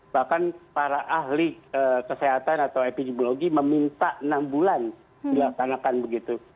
bahkan para ahli kesehatan atau epidemiologi meminta enam bulan dilaksanakan begitu